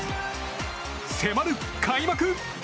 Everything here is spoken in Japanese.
迫る開幕。